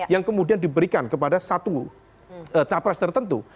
yang kemudian diberikan kepada satu capres tertentu